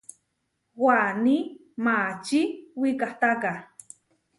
Waní mačí wikahtáka.